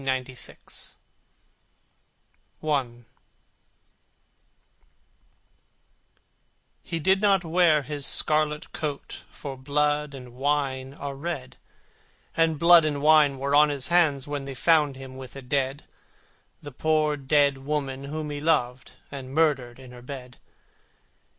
Version Two I He did not wear his scarlet coat, For blood and wine are red, And blood and wine were on his hands When they found him with the dead, The poor dead woman whom he loved, And murdered in her bed.